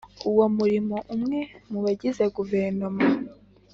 Uwo murimo umwe mu bagize guverinoma